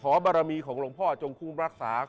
ขอบรมีของหลงพ่อจงควบรรทรา